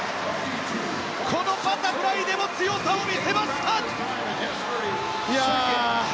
このバタフライでも強さを見せました！